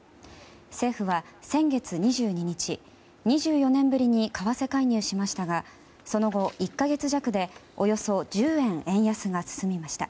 政府は、先月２２日２４年ぶりに為替介入しましたがその後１か月弱で、およそ１０円円安が進みました。